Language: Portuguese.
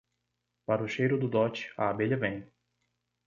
Para o cheiro do dote, a abelha vem.